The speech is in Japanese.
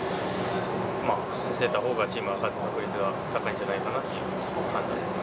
まあ、出たほうがチームが勝つ確率が高いんじゃないかなという判断ですね。